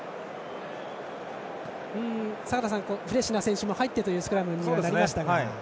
坂田さん、フレッシュな選手も入ってのスクラムになりましたが。